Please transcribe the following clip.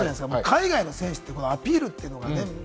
海外の選手ってアピールというのがね、